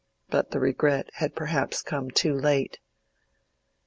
But the regret had perhaps come too late.